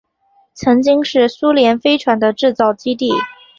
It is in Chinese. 曾经是苏联飞船的制造基地。